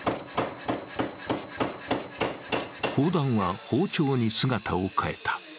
砲弾は包丁に姿を変えた。